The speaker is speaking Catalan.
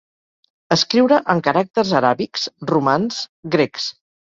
Escriure en caràcters aràbics, romans, grecs.